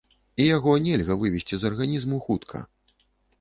І яго нельга вывесці з арганізму хутка.